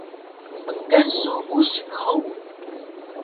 Mkan su usik hug?